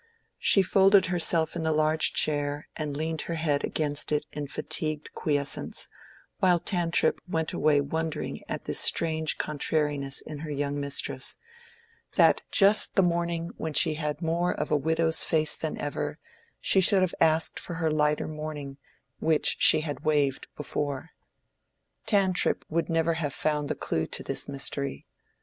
She folded herself in the large chair, and leaned her head against it in fatigued quiescence, while Tantripp went away wondering at this strange contrariness in her young mistress—that just the morning when she had more of a widow's face than ever, she should have asked for her lighter mourning which she had waived before. Tantripp would never have found the clew to this mystery.